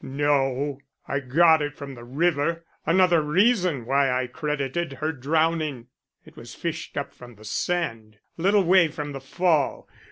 "No, I got it from the river, another reason why I credited her drowning. It was fished up from the sand, a little way from the Fall.